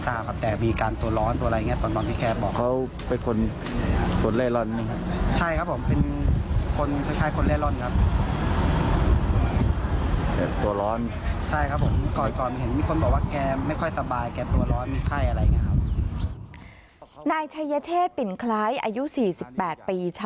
จากการเสียชีวิตของผู้ชายคนนี้